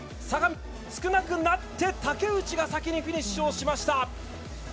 差が少なくなって、竹内が先にフィニッシュをしました。